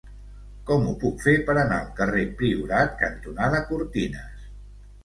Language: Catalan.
Com ho puc fer per anar al carrer Priorat cantonada Cortines?